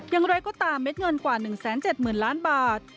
ยังไร้ก็ตามเม็ดเงินกว่า๑๗หมื่นล้านบาท